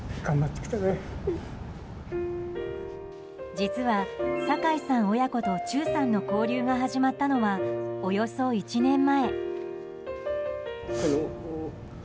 実は、坂井さん親子と忠さんの交流が始まったのはおよそ１年前。